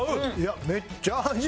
めっちゃ味